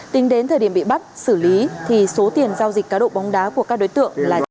tính đến thời điểm bị bắt xử lý thì số tiền giao dịch cá độ bóng đá của các đối tượng là trên hai mươi sáu tỷ đồng